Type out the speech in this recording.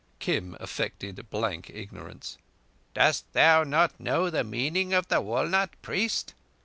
Kim affected blank ignorance. "Dost thou not know the meaning of the walnut—priest?"